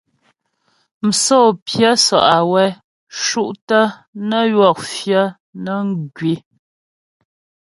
Msǒ pyə́ sɔ’ awɛ ́ cú’ tə́ nə ywɔk fyə̌ nəŋ wii.